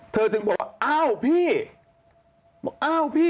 เธอจึงบอกว่าเอ้าพี่บอกว่าเอ้าพี่